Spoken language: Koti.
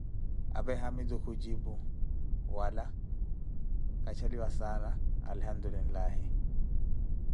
apee haamitu khujipu: wala kacheliwa saana alihamtulillah.